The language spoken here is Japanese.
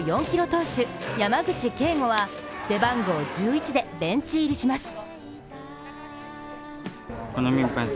投手山口恵悟は背番号１１でベンチ入りします。